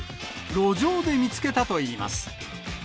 路上で見つけたといいます。